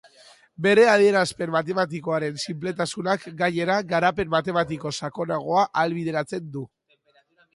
Bere adierazpen matematikoaren sinpletasunak gainera garapen matematiko sakonagoa ahalbideratzen du.